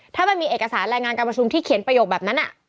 ถ้ามันมีเอกสารรายงานการประชุมที่เขียนประโยคแบบนั้น